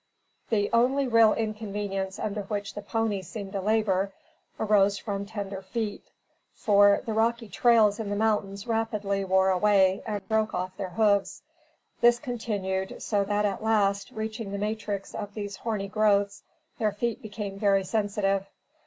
The only real inconvenience under which the ponies seemed to labor, arose from tender feet, for, the rocky trails in the mountains rapidly wore away, and broke off their hoofs. This continued, so that at last, reaching the matrix of these horny growths, their feet became very sensitive.